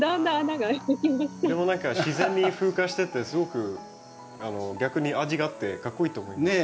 何か自然に風化しててすごく逆に味があってかっこいいと思います。